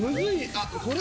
あっこれ？